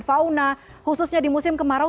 fauna khususnya di musim kemarau